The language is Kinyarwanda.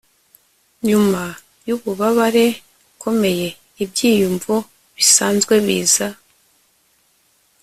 nyuma yububabare bukomeye ibyiyumvo bisanzwe biza-